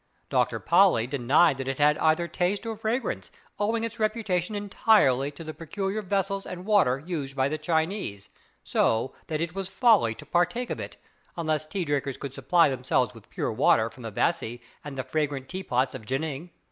Dr. Paulli denied that it had either taste or fragrance, owing its reputation entirely to the peculiar vessels and water used by the Chinese, so that it was folly to partake of it, unless tea drinkers could supply themselves with pure water from the Vassie and the fragrant tea pots of Gnihing.